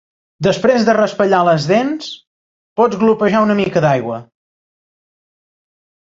Després de raspallar les dents, pots glopejar una mica d'aigua.